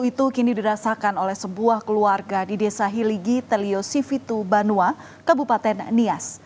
itu kini dirasakan oleh sebuah keluarga di desa hiligi telio sifitu banua kabupaten nias